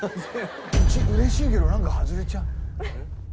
嬉しいけどなんか外れちゃう。